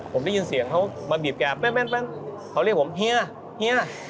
ผมได้ยินเสียงเขามาบีบแก่แป๊บเขาเรียกผมเฮีย